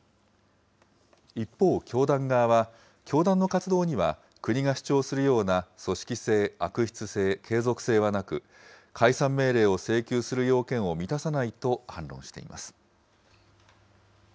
一方、教団側は、教団の活動には国が主張するような組織性、悪質性、継続性はなく、解散命令を請求する要件を満たさないと反論しています。